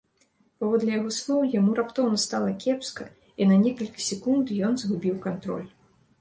Паводле яго слоў, яму раптоўна стала кепска і на некалькі секунд ён згубіў кантроль.